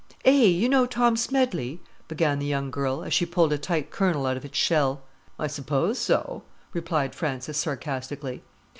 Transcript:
"Eh, you know Tom Smedley?" began the young girl, as she pulled a tight kernel out of its shell. "I suppose so," replied Frances sarcastically.